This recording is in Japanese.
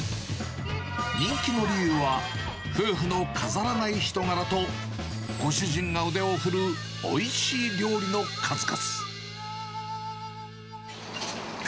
人気の理由は、夫婦の飾らない人柄と、ご主人が腕を振るう、おいしい料理の数々。